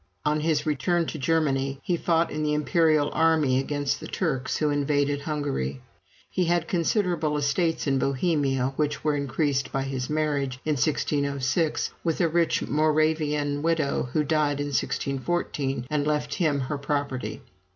On his return to Germany, he fought in the imperial army against the Turks, who invaded Hungary. He had considerable estates in Bohemia, which were increased by his marriage, in 1606, with a rich Moravian widow, who died in 1614, and left him her property.